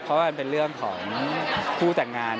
เพราะว่ามันเป็นเรื่องของผู้แต่งงาน